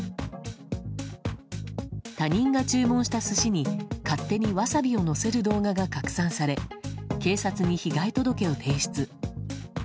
他人が注文した寿司に勝手にワサビをのせる動画が拡散され警察に被害届を提出。